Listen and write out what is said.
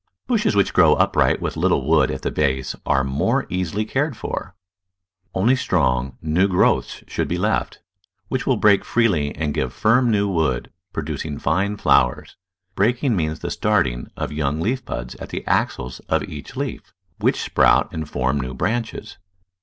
Bushes which grow upright with little wood at the base are more easily cared for. Only strong, new growths should be left, which will break freely and give firm new wood, producing fine flowers. Breaking means the starting of young leaf buds at the axils of each leaf, which sprout and form new branches.